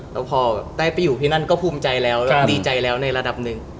แล้วพอได้ไปอยู่ที่นั่นก็ภูมิใจแล้วแล้วดีใจแล้วในระดับหนึ่ง